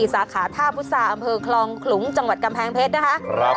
อเภพอาทาบบุษาอคลองขลูงจังหวัดกำแพงเพชรนะคะ